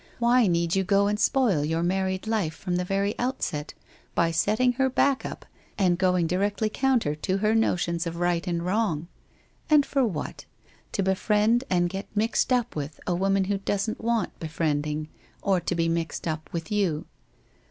— why need you go and spoil your married life from the very outset, by setting her back up, and going directly counter to her notions of right and wrong. And for what ? To befriend and get mixed up with a woman who doesn't want be friending or to be mixed up with you.